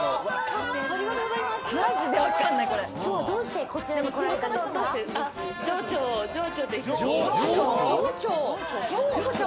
きょうは、どうしてこちらに来られたんですか？